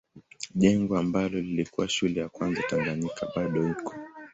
Jengo ambalo lilikuwa shule ya kwanza Tanganyika bado iko.